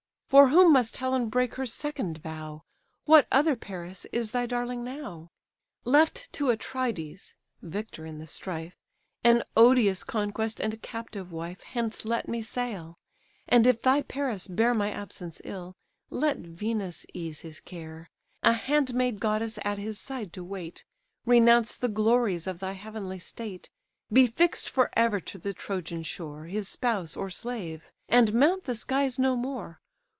For whom must Helen break her second vow? What other Paris is thy darling now? Left to Atrides, (victor in the strife,) An odious conquest and a captive wife, Hence let me sail; and if thy Paris bear My absence ill, let Venus ease his care. A handmaid goddess at his side to wait, Renounce the glories of thy heavenly state, Be fix'd for ever to the Trojan shore, His spouse, or slave; and mount the skies no more.